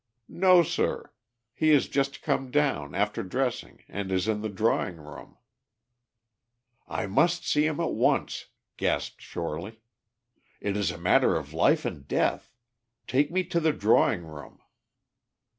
"No, sir. He has just come down, after dressing, and is in the drawing room. "I must see him at once," gasped Shorely. "It is a matter of life and death. Take me to the drawing room."